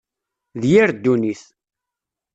D yir ddunit.